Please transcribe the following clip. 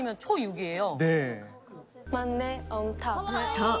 そう。